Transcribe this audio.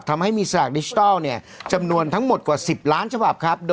ทำให้มีสลากดิจิทัลจำนวนทั้งหมดกว่า๑๐ล้านฉบับครับ